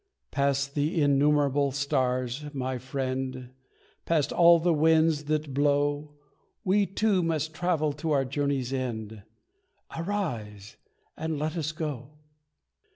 "Past the innumerable stars, my friend, Past all the winds that blow, We, too, must travel to our journey's end. Arise! And let us go!"